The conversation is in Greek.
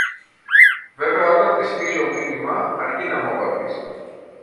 Βέβαια όταν της στέλνω μήνυμα αργεί να μου απαντήσει.